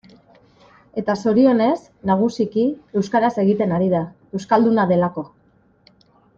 Eta zorionez, nagusiki euskaraz egiten ari da, euskalduna delako.